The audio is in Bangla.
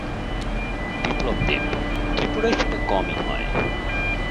বিপ্লব দেব ত্রিপুরায় সেটা কমই হয়।